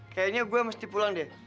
kayaknya gue mesti pulang deh